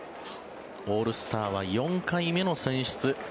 オールスターは４回目の選出。